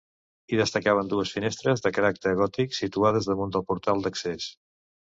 Hi destacaven dues finestres de caràcter gòtic situades damunt del portal d'accés.